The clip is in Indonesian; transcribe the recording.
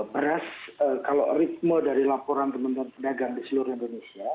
beras kalau ritme dari laporan teman teman pedagang di seluruh indonesia